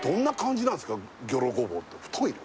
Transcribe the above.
ぎょろごぼうって太いの？